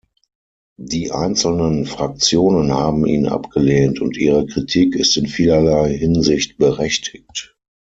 Die einzelnen Fraktionen haben ihn abgelehnt, und ihre Kritik ist in vielerlei Hinsicht berechtigt.